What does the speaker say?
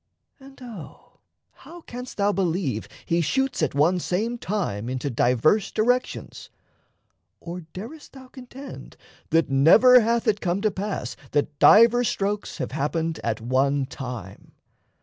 And O how Canst thou believe he shoots at one same time Into diverse directions? Or darest thou Contend that never hath it come to pass That divers strokes have happened at one time?